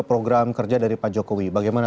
program kerja dari pak jokowi bagaimana